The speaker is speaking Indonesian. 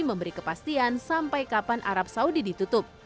memberi kepastian sampai kapan arab saudi ditutup